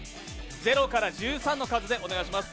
０から１３の数でお願いします。